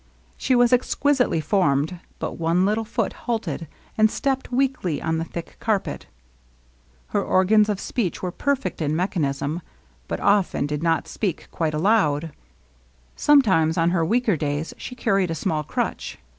She was exquisitely formed, but one little foot halted and stepped weakly on the thick carpet. Her organs of speech were perfect in mechanism, but often she did not speak quite aloud. Sometimes, on her weaker days, she carried a small crutch.